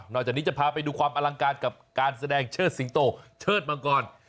จากนี้จะพาไปดูความอลังการกับการแสดงเชิดสิงโตเชิดมังกร